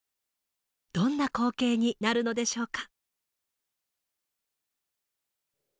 どんな光景になるのでしょうか？